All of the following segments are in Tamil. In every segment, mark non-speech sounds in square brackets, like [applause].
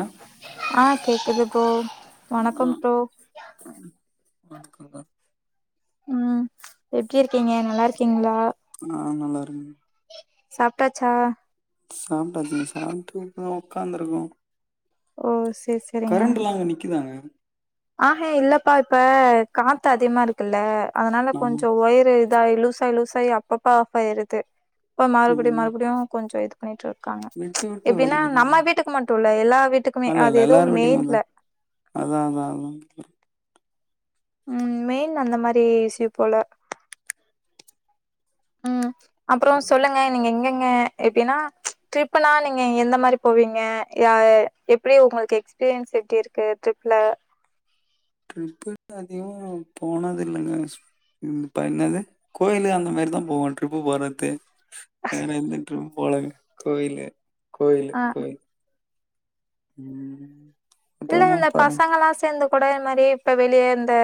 ஆ ஆ கேக்குது ப்ரோ வணக்கோ ப்ரோ வணக்கோங்க ம் எப்டி இருக்கீங்க நல்லா இருக்கீங்ளா நா நல்லா இரு சாப்டாச்சா சாப்ட்டாச்சுங்க சாப்டு இப்பதா உக்காந்துருக்கோ ஓ சேரி சே கரண்ட்டு இல்லாம நிக்குதாங்க ஆக இல்லப்பா இப்ப காத்து அதிகமா இருக்குல்ல அதனால ஆமா கொஞ்சோ ஒயரு இதாயி லூசாயி லூசாயி அப்பப்ப ஆஃபாயிறுது அப்போ மறும்டியு ம் மறுபடியு கொஞ்சோ இது பண்ணிட்ருக்காங்க விட்டு விட்டு எப்டினா வருகிறது நம்ம வீட்டுக்கு மட்டு இல்ல எல்லா வீட்டுக்குமே அல்ல அது இல்ல எதுவு எல்லார் வீட்டுக்கு அதா மெய்ன்ல அதா அதா ஆ ம் மெய்ன் அந்த மாரி இஸ்யூ போல ம் அப்புறோ சொல்லுங்க நீங்க எங்கங்க எப்டின்னா ட்ரிப்லா நீங்க எந்த மாரி போவீங்க அ எப்டி உங்கள்க்கு எக்ஸ்பீரியன்ஸ் எப்டி இருக்கு ட்ரிப்ல ட்ரிப்புல அதிகோ போனதுல்லங்க மிஸ் ம் ப என்னது கோயிலு அந்த மாரிதா போவோ ட்ரிப்பு போறது வேற எந்த ட்ரிப்பு போலங்க கோயிலு கோயிலு ஆ கோயில் ம் இல்ல அப்புறமா இல்ல ப பசங்கலா சேந்து கூடே மேரி இப்ப வெளிய இந்த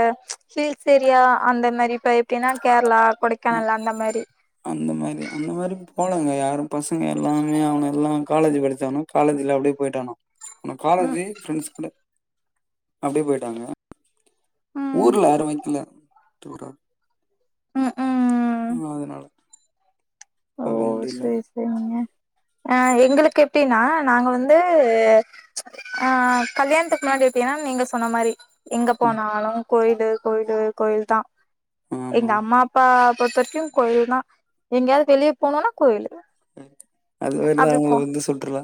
ஹில்ஸ் ஏரியா அந்த மேரி இப்ப எப்டினா கேரளா கொடை கேனல் அந்த மாரி அந்த மாரி அந்த மாரி போலங்க யாரு பசங்க எல்லாமே அவங்க எல்லா காலேஜி படிச்சானு காலேஜிலே அப்டியே போயிட்டானோ ஆனா ம் காலேஜி ஃப்ரெண்ட்சு கூட அப்டியே போய்ட்டாங்க ம் ஊர்ல யாரு வைக்கல தூற ம் ம் ம் அதனாலே ஓ சேரி சேரிங்க ஆ எங்ளுக்கு எப்டின்னா நாங்க வந்து ஆ கல்யாணத்துக்கு முன்னாடி எப்டின்னா நீங்க சொன்ன மாரி எங்க ம். போனாலு கோயிலு கோயிலு கோயில் தா ஆமா. எங்க அம்மா ப்ப பொறுத்தரைக்கு கோயில் தா எங்கயாது வெளிய போனுனா கோயில் அ அது மேரிதா அவுங்குள வந்து சுட்ருல்லா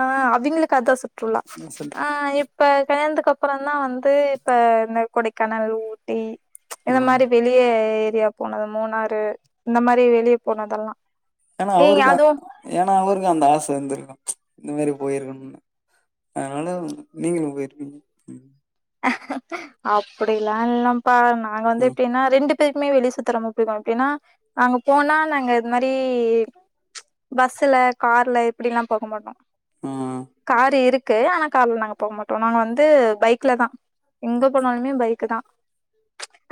அ அவிங்களுக் அதா சுற்றுலா நோ செல்டு அ எப்ப கல்யாந்துக்கு அப்பறந்தா வந்து இப்ப இந்த கொடைக்கானல் ஊட்டி இந்த ஆமா. மாரி வெளியெ ஏரியா போனத் மூணாறு இந்த மாரி வெளிய போனதல்லா என்னா அவருக்கு என்னா அவருக்கு அந்த ஆச இர்ந்துர்க்கு இந்த மேரி போயிருக்கணுன்னு அதனால நீங்களு போயர்ப்பீங்க அப்படில்லா இல்லப்பா நாங்க வந்து ம். எப்டின்னா ரெண்டுப் எப்பயுமே வெளி சுத்துறம்ம [unintelligible] அப்படின்னா நாங்க போனா நாங்க இது மாரி பஸ்ஸுல கார்ல இப்புடில்லா போக மாட்டோ ஆ. காரு இருக்கு ஆனா காார்ல நாங்க போமாட்டோ நாங்க வந்து பை க்லதா எங்க போனாலுமே பைக்குதா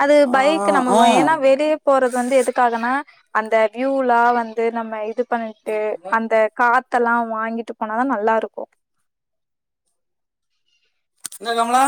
அது ஆ. பைக் ஆ. நம்ம என்னா வெளிய போறது வந்து எதுக்காகன்னா அந்த வியூலா வந்து நம்ம இது பண்ணிட்டு என்ன கமலா? அந்த காத்தல்லா வாங்கிட்டு போனாதா நல்லாருக்கு என்ன கம்லா